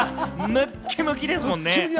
ムッキムキですもんね。